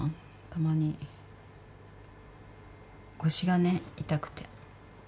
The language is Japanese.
たまに腰がね痛くて。